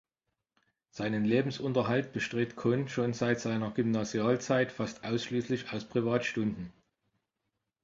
Seinen Lebensunterhalt bestritt Cohn schon seit seiner Gymnasialzeit fast ausschließlich aus Privatstunden.